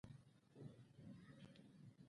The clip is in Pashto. د دې انځورول رښتیا یوه ننګونه وه ویلما وویل